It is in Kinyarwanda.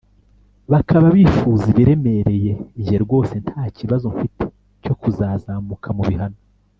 bakaba bifuza ibiremereye, njye rwose nta kibazo mfite cyo kuzazamuka mu bihano”.